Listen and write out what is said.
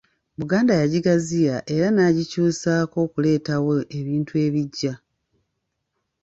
Buganda yagigaziya era n'agikyusaako okuleetawo ebintu ebiggya.